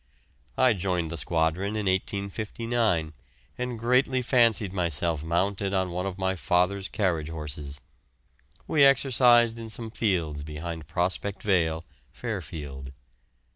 I joined the squadron in 1859, and greatly fancied myself mounted on one of my father's carriage horses. We exercised in some fields behind Prospect Vale, Fairfield.